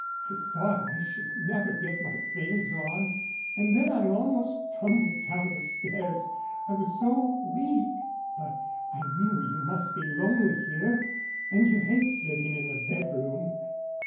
"I thought I should never get my things on, and then I almost tumbled down the stairs, I was so weak.... But I knew you must be lonely here, and you hate sitting in the bedroom."